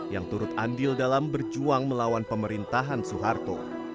yang turut andil dalam berjuang melawan pemerintahan soeharto